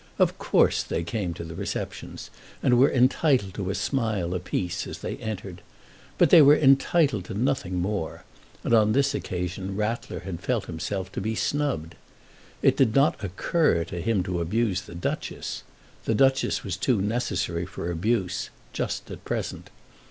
Of course they came to the receptions, and were entitled to a smile apiece as they entered. But they were entitled to nothing more, and on this occasion Rattler had felt himself to be snubbed. It did not occur to him to abuse the Duchess. The Duchess was too necessary for abuse, just at present.